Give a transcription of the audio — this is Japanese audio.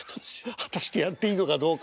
果たしてやっていいのかどうか。